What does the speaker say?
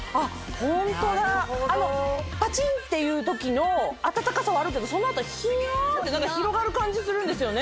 ホントだパチンっていう時の温かさはあるけどその後ヒヤって広がる感じするんですよね。